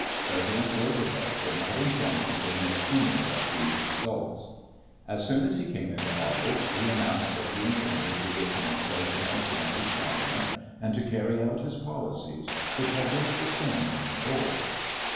President Roosevelt did not intend to permit any of these results. As soon as he came into office he announced that he intended to retain President McKinley's Cabinet and to carry out his policies, which had been sustained at the polls.